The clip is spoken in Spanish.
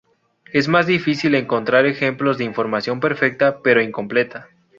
Es más difícil encontrar ejemplos de información perfecta pero incompleta.